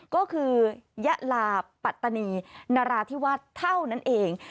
ก็คือยะลาปัตตานีนราธิวาสเท่านั้นเอง